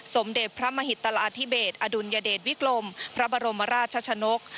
สมเด็จพระมหิตราธิเบสอดุลยเดชวิกลมพระบรมราชชนก